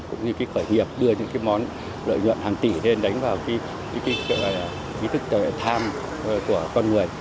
cũng như cái khởi hiệp đưa những cái món lợi nhuận hàng tỷ lên đánh vào ý thức tham của con người